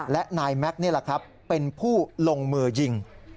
และนายแม็กซ์นี่แหละครับเป็นผู้ลงมือยิง